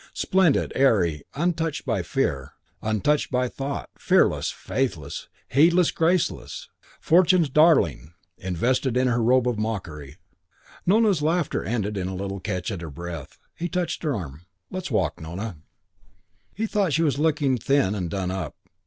Splendid; airy, untouched by fear; untouched by thought; fearless, faithless, heedless, graceless. Fortune's darling; invested in her robe of mockery. Nona's laughter ended in a little catch at her breath. He touched her arm. "Let's walk, Nona." IV He thought she was looking thin and done up.